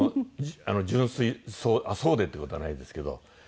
純粋そう「そうで」っていう事はないですけど。